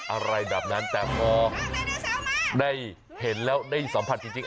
อะไรแบบนั้นแต่พอได้เห็นแล้วได้สัมผัสจริง